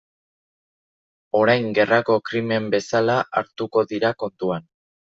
Orain gerrako krimen bezala hartuko dira kontuan.